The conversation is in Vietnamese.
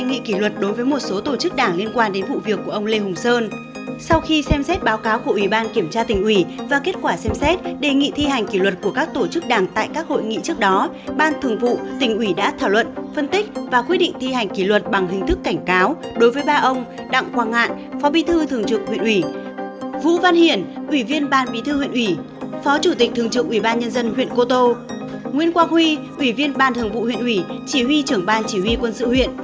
nguyễn quang huy ủy viên ban thường vụ huyện ủy chỉ huy trưởng ban chỉ huy quân sự huyện